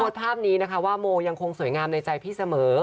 ภาพนี้นะคะว่าโมยังคงสวยงามในใจพี่เสมอ